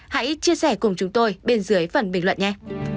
hãy chia sẻ cùng chúng tôi bên dưới phần bình luận nha